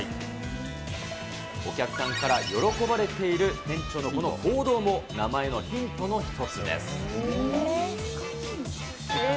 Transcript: お客さんから喜ばれている店長のこの行動も名前のヒントの１つでえー？